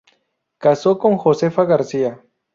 Casó con Josefa García.